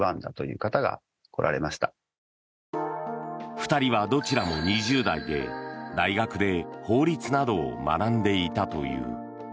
２人はどちらも２０代で大学で法律などを学んでいたという。